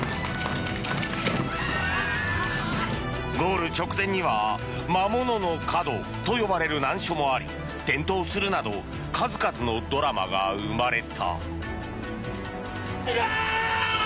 ゴール直前には魔物の角と呼ばれる難所もあり転倒するなど数々のドラマが生まれた。